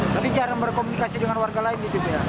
tapi jarang berkomunikasi dengan warga lain